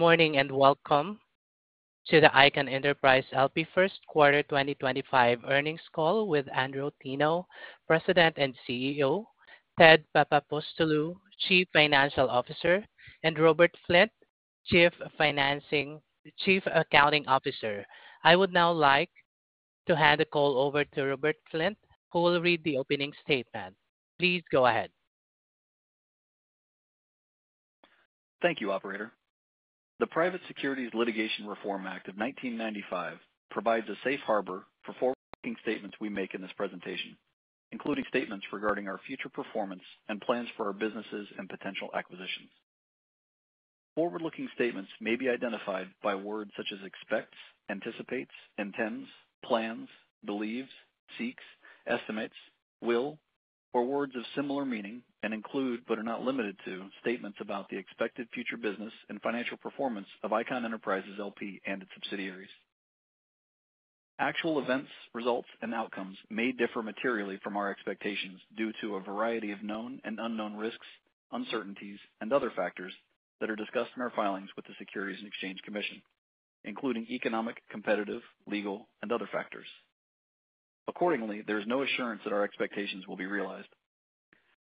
Good morning and welcome to the Icahn Enterprises LP First Quarter 2025 earnings call with Andrew Teno, President and CEO, Ted Papapostolou, Chief Financial Officer, and Robert Flint, Chief Accounting Officer. I would now like to hand the call over to Robert Flint, who will read the opening statement. Please go ahead. Thank you, Operator. The Private Securities Litigation Reform Act of 1995 provides a safe harbor for forward-looking statements we make in this presentation, including statements regarding our future performance and plans for our businesses and potential acquisitions. Forward-looking statements may be identified by words such as expects, anticipates, intends, plans, believes, seeks, estimates, will, or words of similar meaning and include but are not limited to statements about the expected future business and financial performance of Icahn Enterprises LP and its subsidiaries. Actual events, results, and outcomes may differ materially from our expectations due to a variety of known and unknown risks, uncertainties, and other factors that are discussed in our filings with the Securities and Exchange Commission, including economic, competitive, legal, and other factors. Accordingly, there is no assurance that our expectations will be realized.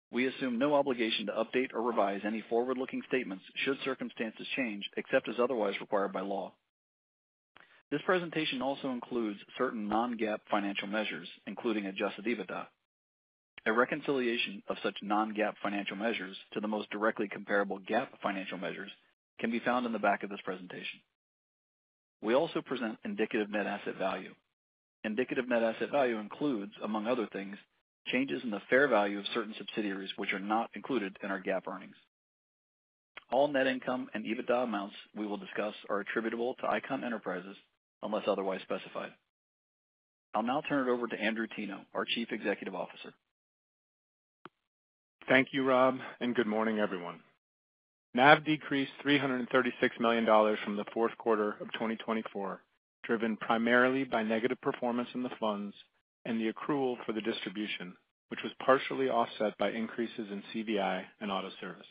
We assume no obligation to update or revise any forward-looking statements should circumstances change except as otherwise required by law. This presentation also includes certain non-GAAP financial measures, including adjusted EBITDA. A reconciliation of such non-GAAP financial measures to the most directly comparable GAAP financial measures can be found in the back of this presentation. We also present indicative net asset value. Indicative net asset value includes, among other things, changes in the fair value of certain subsidiaries which are not included in our GAAP earnings. All net income and EBITDA amounts we will discuss are attributable to Icahn Enterprises unless otherwise specified. I'll now turn it over to Andrew Teno, our Chief Executive Officer. Thank you, Rob, and good morning, everyone. NAV decreased $336 million from the fourth quarter of 2024, driven primarily by negative performance in the funds and the accrual for the distribution, which was partially offset by increases in CVI and auto service.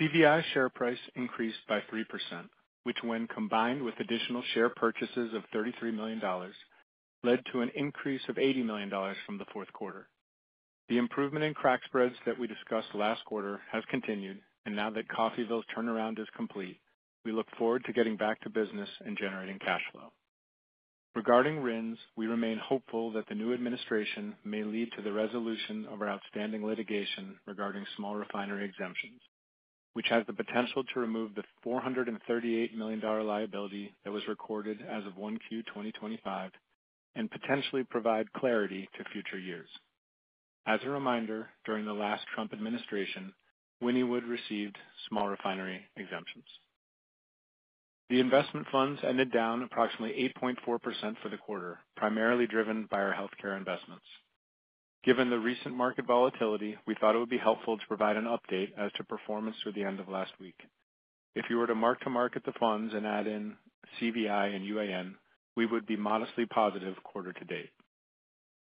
CVI share price increased by 3%, which, when combined with additional share purchases of $33 million, led to an increase of $80 million from the fourth quarter. The improvement in crack spreads that we discussed last quarter has continued, and now that Coffeyville's turnaround is complete, we look forward to getting back to business and generating cash flow. Regarding RINs, we remain hopeful that the new administration may lead to the resolution of our outstanding litigation regarding small refinery exemptions, which has the potential to remove the $438 million liability that was recorded as of 1Q 2025 and potentially provide clarity to future years. As a reminder, during the last Trump administration, Wynnewood received small refinery exemptions. The investment funds ended down approximately 8.4% for the quarter, primarily driven by our healthcare investments. Given the recent market volatility, we thought it would be helpful to provide an update as to performance through the end of last week. If you were to mark-to-market the funds and add in CVI and UAN, we would be modestly positive quarter to date.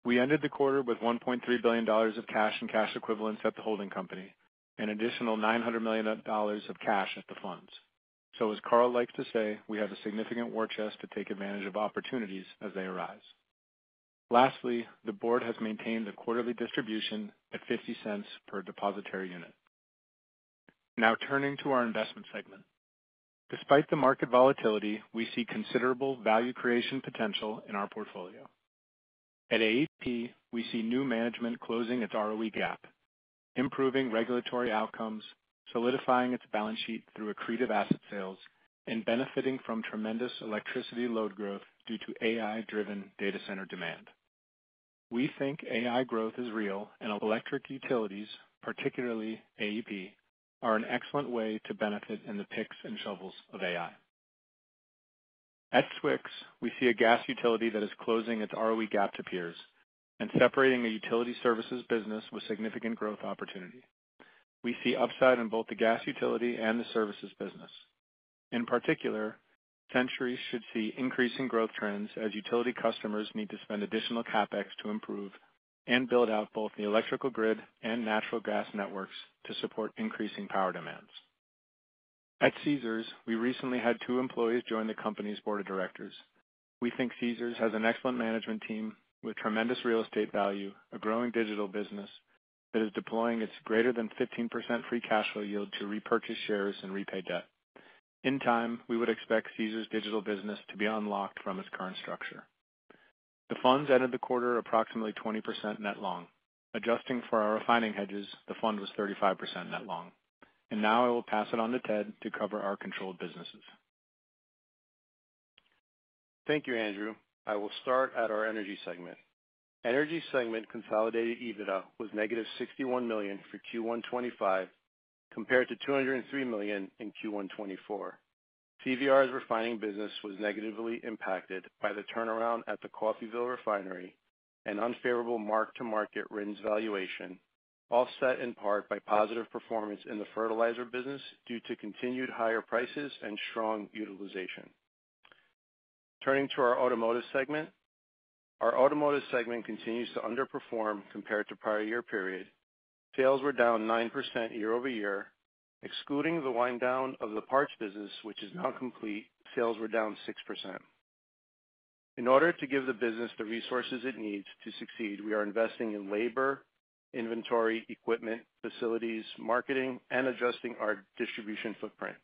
We ended the quarter with $1.3 billion of cash and cash equivalents at the holding company and additional $900 million of cash at the funds. As Carl likes to say, we have a significant war chest to take advantage of opportunities as they arise. Lastly, the board has maintained the quarterly distribution at $0.50 per depositary unit. Now, turning to our investment segment. Despite the market volatility, we see considerable value creation potential in our portfolio. At AEP, we see new management closing its ROE gap, improving regulatory outcomes, solidifying its balance sheet through accretive asset sales, and benefiting from tremendous electricity load growth due to AI-driven data center demand. We think AI growth is real, and electric utilities, particularly AEP, are an excellent way to benefit in the picks and shovels of AI. At Southwest Gas Holdings, we see a gas utility that is closing its ROE gap to peers and separating a utility services business with significant growth opportunity. We see upside in both the gas utility and the services business. In particular, Century Aluminum should see increasing growth trends as utility customers need to spend additional CapEx to improve and build out both the electrical grid and natural gas networks to support increasing power demands. At Caesars, we recently had two employees join the company's board of directors. We think Caesars has an excellent management team with tremendous real estate value, a growing digital business that is deploying its greater than 15% free cash flow yield to repurchase shares and repay debt. In time, we would expect Caesars' digital business to be unlocked from its current structure. The funds ended the quarter approximately 20% net long. Adjusting for our refining hedges, the fund was 35% net long. I will now pass it on to Ted to cover our controlled businesses. Thank you, Andrew. I will start at our energy segment. Energy segment consolidated EBITDA was negative $61 million for Q1 2025, compared to $203 million in Q1 2024. CVR's refining business was negatively impacted by the turnaround at the Coffeyville refinery and unfavorable mark-to-market RINs valuation, offset in part by positive performance in the fertilizer business due to continued higher prices and strong utilization. Turning to our automotive segment, our automotive segment continues to underperform compared to prior year period. Sales were down 9% year over year. Excluding the wind-down of the parts business, which is not complete, sales were down 6%. In order to give the business the resources it needs to succeed, we are investing in labor, inventory, equipment, facilities, marketing, and adjusting our distribution footprint.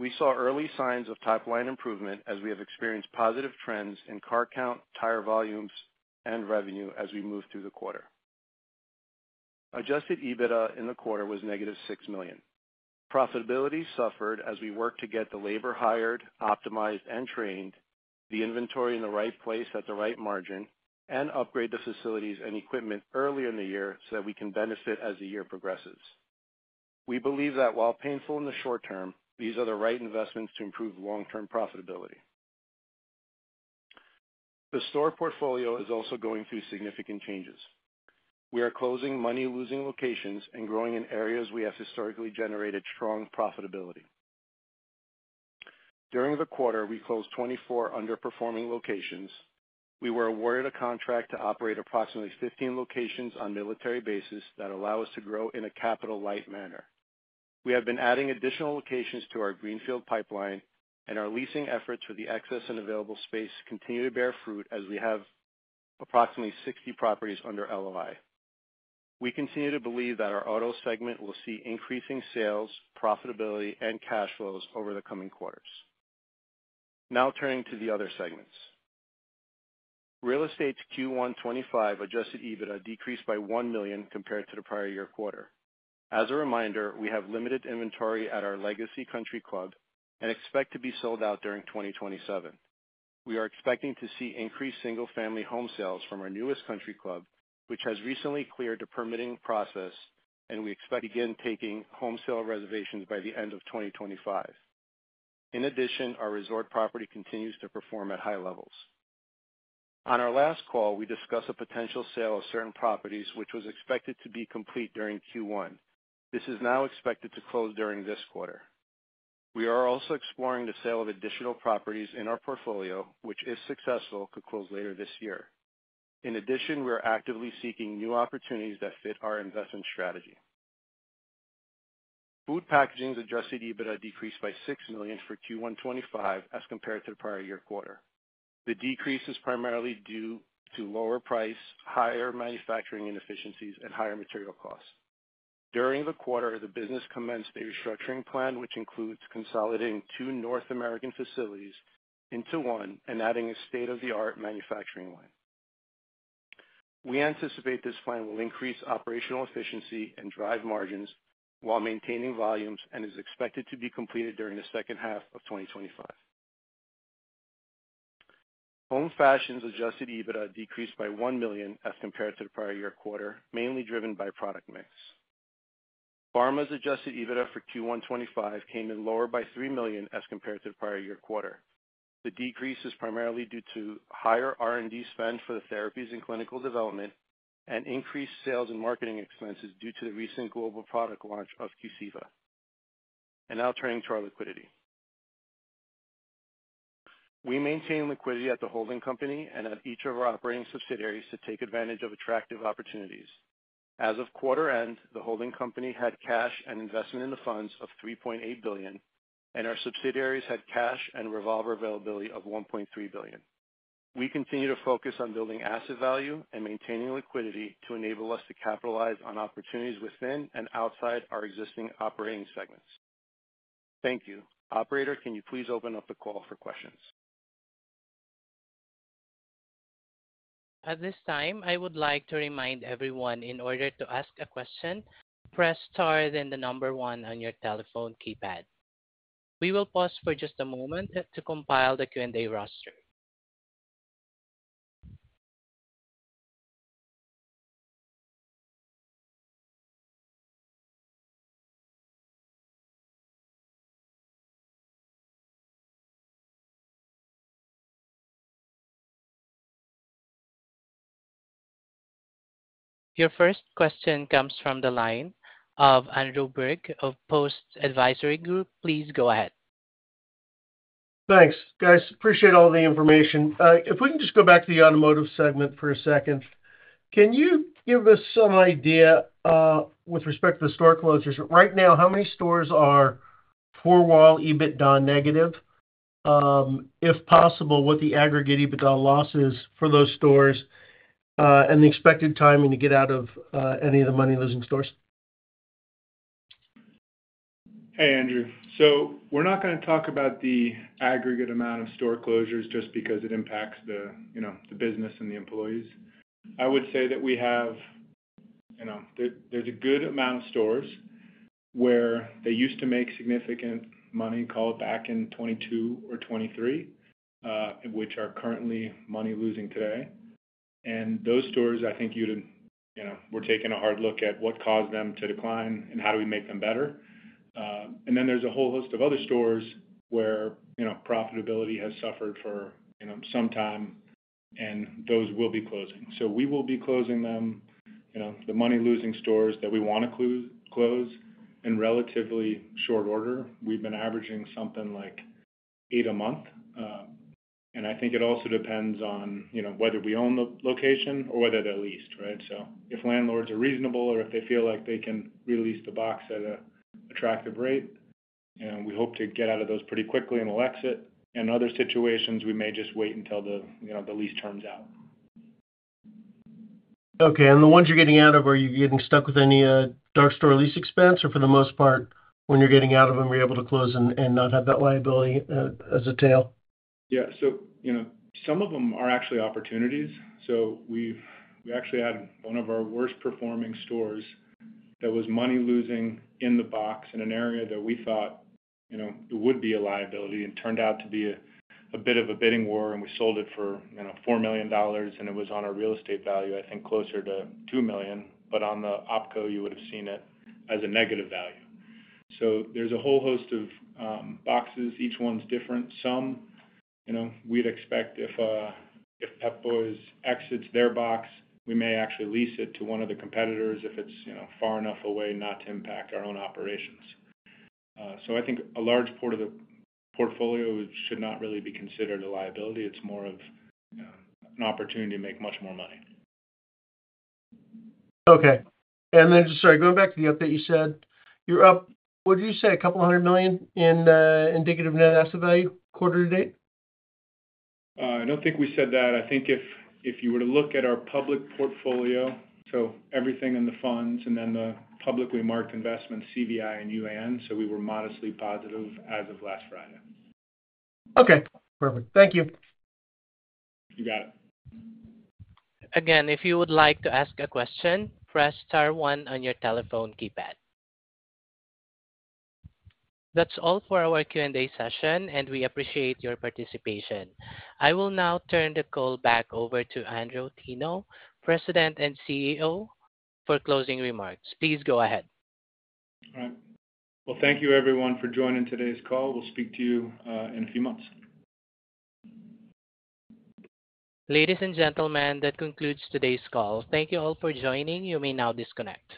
We saw early signs of top-line improvement as we have experienced positive trends in car count, tire volumes, and revenue as we move through the quarter. Adjusted EBITDA in the quarter was negative $6 million. Profitability suffered as we worked to get the labor hired, optimized, and trained, the inventory in the right place at the right margin, and upgrade the facilities and equipment early in the year so that we can benefit as the year progresses. We believe that while painful in the short term, these are the right investments to improve long-term profitability. The store portfolio is also going through significant changes. We are closing money-losing locations and growing in areas we have historically generated strong profitability. During the quarter, we closed 24 underperforming locations. We were awarded a contract to operate approximately 15 locations on military bases that allow us to grow in a capital-light manner. We have been adding additional locations to our Greenfield pipeline, and our leasing efforts for the excess and available space continue to bear fruit as we have approximately 60 properties under LOI. We continue to believe that our auto segment will see increasing sales, profitability, and cash flows over the coming quarters. Now turning to the other segments. Real estate's Q1 2025 adjusted EBITDA decreased by $1 million compared to the prior year quarter. As a reminder, we have limited inventory at our legacy country club and expect to be sold out during 2027. We are expecting to see increased single-family home sales from our newest country club, which has recently cleared a permitting process, and we expect to begin taking home sale reservations by the end of 2025. In addition, our resort property continues to perform at high levels. On our last call, we discussed a potential sale of certain properties, which was expected to be complete during Q1. This is now expected to close during this quarter. We are also exploring the sale of additional properties in our portfolio, which, if successful, could close later this year. In addition, we are actively seeking new opportunities that fit our investment strategy. Food packaging's adjusted EBITDA decreased by $6 million for Q1 2025 as compared to the prior year quarter. The decrease is primarily due to lower price, higher manufacturing inefficiencies, and higher material costs. During the quarter, the business commenced a restructuring plan, which includes consolidating two North American facilities into one and adding a state-of-the-art manufacturing line. We anticipate this plan will increase operational efficiency and drive margins while maintaining volumes and is expected to be completed during the second half of 2025. Home fashion's adjusted EBITDA decreased by $1 million as compared to the prior year quarter, mainly driven by product mix. Pharma's adjusted EBITDA for Q1 2025 came in lower by $3 million as compared to the prior year quarter. The decrease is primarily due to higher R&D spend for the therapies and clinical development and increased sales and marketing expenses due to the recent global product launch of Qceva. Now turning to our liquidity. We maintain liquidity at the holding company and at each of our operating subsidiaries to take advantage of attractive opportunities. As of quarter end, the holding company had cash and investment in the funds of $3.8 billion, and our subsidiaries had cash and revolver availability of $1.3 billion. We continue to focus on building asset value and maintaining liquidity to enable us to capitalize on opportunities within and outside our existing operating segments. Thank you. Operator, can you please open up the call for questions? At this time, I would like to remind everyone in order to ask a question, press star then the number one on your telephone keypad. We will pause for just a moment to compile the Q&A roster. Your first question comes from the line of Andrew Brick of Post Advisory Group. Please go ahead. Thanks. Guys, appreciate all the information. If we can just go back to the automotive segment for a second, can you give us some idea with respect to the store closures? Right now, how many stores are four-wall EBITDA negative? If possible, what the aggregate EBITDA loss is for those stores and the expected timing to get out of any of the money-losing stores? Hey, Andrew. We're not going to talk about the aggregate amount of store closures just because it impacts the business and the employees. I would say that we have, there's a good amount of stores where they used to make significant money, call it back in 2022 or 2023, which are currently money-losing today. Those stores, I think you were taking a hard look at what caused them to decline and how do we make them better. Then there's a whole host of other stores where profitability has suffered for some time, and those will be closing. We will be closing the money-losing stores that we want to close in relatively short order. We've been averaging something like eight a month. I think it also depends on whether we own the location or whether they're leased, right? If landlords are reasonable or if they feel like they can release the box at an attractive rate, and we hope to get out of those pretty quickly and we'll exit. In other situations, we may just wait until the lease turns out. Okay. The ones you're getting out of, are you getting stuck with any dark store lease expense? Or for the most part, when you're getting out of them, you're able to close and not have that liability as a tail? Yeah. Some of them are actually opportunities. We actually had one of our worst-performing stores that was money-losing in the box in an area that we thought it would be a liability and it turned out to be a bit of a bidding war. We sold it for $4 million, and it was on our real estate value, I think, closer to $2 million. On the opco, you would have seen it as a negative value. There is a whole host of boxes. Each one is different. Some we would expect if Pep Boys exits their box, we may actually lease it to one of the competitors if it is far enough away not to impact our own operations. I think a large part of the portfolio should not really be considered a liability. It is more of an opportunity to make much more money. Okay. Just sorry, going back to the update you said, you're up, what did you say, a couple hundred million in indicative net asset value quarter to date? I don't think we said that. I think if you were to look at our public portfolio, so everything in the funds and then the publicly marked investments, CVI and UAN, we were modestly positive as of last Friday. Okay. Perfect. Thank you. You got it. Again, if you would like to ask a question, press star one on your telephone keypad. That's all for our Q&A session, and we appreciate your participation. I will now turn the call back over to Andrew Teno, President and CEO, for closing remarks. Please go ahead. All right. Thank you, everyone, for joining today's call. We'll speak to you in a few months. Ladies and gentlemen, that concludes today's call. Thank you all for joining. You may now disconnect.